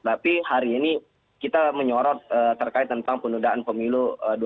tapi hari ini kita menyorot terkait tentang penundaan pemilu dua ribu dua puluh empat